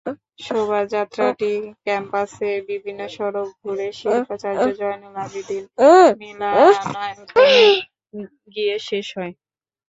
শোভাযাত্রাটি ক্যাম্পাসে বিভিন্ন সড়ক ঘুরে শিল্পাচার্য জয়নুল আবেদিন মিলনায়তনে গিয়ে শেষ হয়।